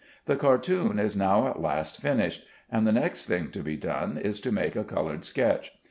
The cartoon is now at last finished, and the next thing to be done is to make a colored sketch.